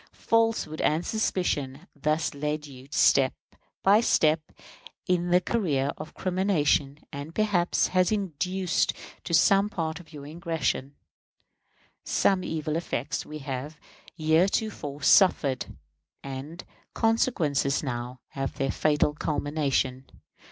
Falsehood and suspicion have thus led you on step by step in the career of crimination, and perhaps has induced to some part of your aggression. Such evil effects we have heretofore suffered, and the consequences now have their fatal culmination.